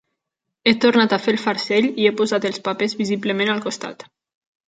He tornat a fer el farcell i he posat els papers visiblement al costat.